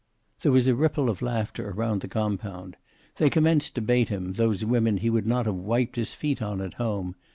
There was a ripple of laughter around the compound. They commenced to bait him, those women he would not have wiped his feet on at home.